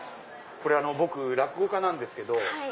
僕落語家なんですけど。